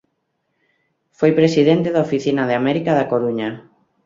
Foi presidente da Oficina de América da Coruña.